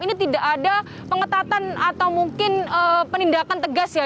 ini tidak ada pengetatan atau mungkin penindakan tegas ya